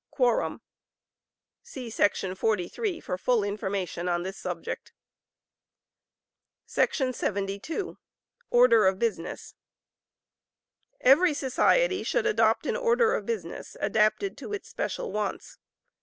Quorum. [See § 43 for full information on this subject.] 72. Order of Business. Every society should adopt an order of business adapted to its special wants.